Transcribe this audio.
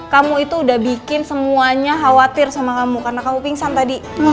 kamu itu udah bikin semuanya khawatir sama kamu karena kamu pingsan tadi